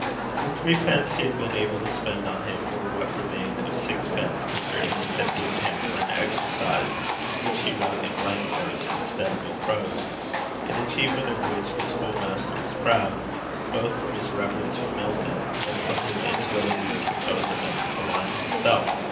The threepence he had been able to spend on him were what remained of sixpence Mr. Innes had given him for an exercise which he wrote in blank verse instead of in prose an achievement of which the school master was proud, both from his reverence for Milton, and from his inability to compose a metrical line himself.